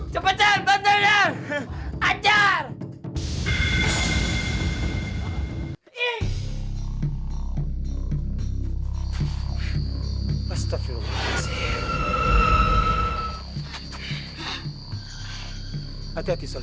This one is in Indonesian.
cepet chan bantuin chan